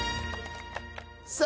さあ